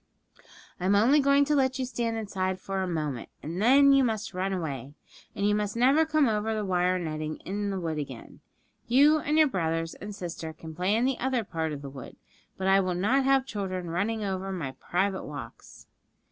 'I am only going to let you stand inside for a moment, and then you must run away. And you must never come over the wire netting in the wood again. You and your brothers and sister can play in the other part of the wood, but I will not have children running over my private walks.'